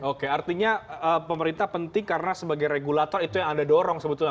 oke artinya pemerintah penting karena sebagai regulator itu yang anda dorong sebetulnya